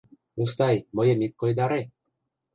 Мустай, мыйым ит койдаре!..